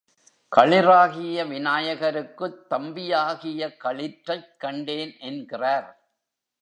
களிறாகிய விநாயகருக்குத் தம்பியாகிய களிற்றைக் கண்டேன் என்கிறார்.